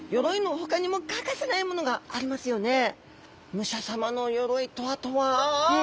武者様の鎧とあとは！？え。